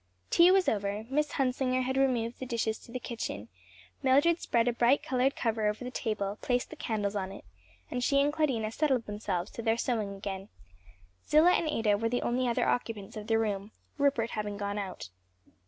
Tea was over, Miss Hunsinger had removed the dishes to the kitchen; Mildred spread a bright colored cover over the table, placed the candles on it, and she and Claudina settled themselves to their sewing again; Zillah and Ada were the only other occupants of the room, Rupert having gone out.